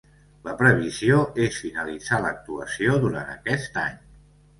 La previsió és finalitzar l'actuació durant aquest any.